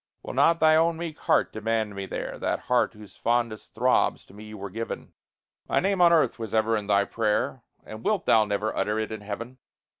Will not thy own meek heart demand me there? That heart whose fondest throbs to me were given? My name on earth was ever in thy prayer, And wilt thou never utter it in heaven?